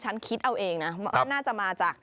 คิดเอาเองนะว่าน่าจะมาจาก